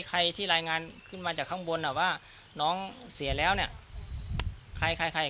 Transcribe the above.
ใครที่รายงานขึ้นมาจากข้างบนอ่ะว่าน้องเสียแล้วเนี่ยใครใคร